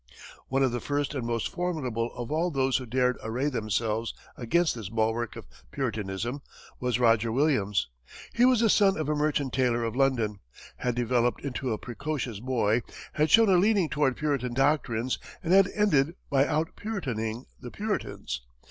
One of the first and most formidable of all those who dared array themselves against this bulwark of Puritanism was Roger Williams. He was the son of a merchant tailor of London, had developed into a precocious boy, had shown a leaning toward Puritan doctrines, and had ended by out Puritaning the Puritans.